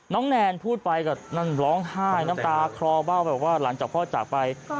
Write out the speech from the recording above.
น้องแนนพูดไปก็ร้องไห้น้ำตาคลอเบ้าไปว่าหลังจากพ่อจากไป